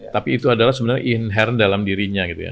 tapi itu adalah sebenarnya inherent dalam dirinya gitu ya